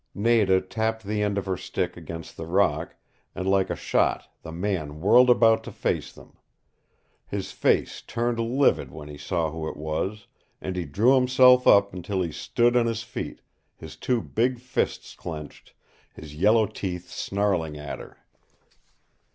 Nada tapped the end of her stick against the rock, and like a shot the man whirled about to face them. His face turned livid when he saw who it was, and he drew himself up until he stood on his feet, his two big fists clenched, his yellow teeth snarling at her.